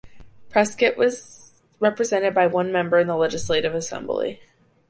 Prescott was represented by one member in the Legislative Assembly.